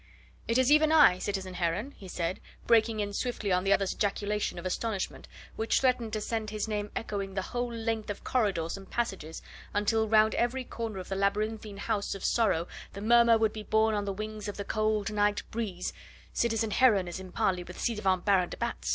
"It is even I, citizen Heron," he said, breaking in swiftly on the other's ejaculation of astonishment, which threatened to send his name echoing the whole length of corridors and passages, until round every corner of the labyrinthine house of sorrow the murmur would be borne on the wings of the cold night breeze: "Citizen Heron is in parley with ci devant Baron de Batz!"